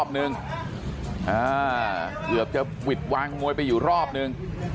นึงรอบ๑เกือบจะหวิตวางน้วยไปอยู่รอบหนึ่ง